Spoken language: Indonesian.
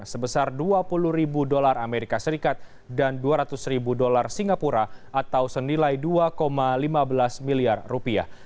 sebesar dua puluh ribu dolar amerika serikat dan dua ratus ribu dolar singapura atau senilai dua lima belas miliar rupiah